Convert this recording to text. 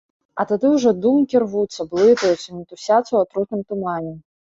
А тады ўжо думкі рвуцца, блытаюцца, мітусяцца ў атрутным тумане.